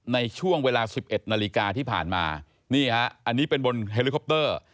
ในช่วงเวลา๑๑นาฬิกาที่ผ่านมานี่ฮะอันนี้เป็นบนเฮลิคอปเตอร์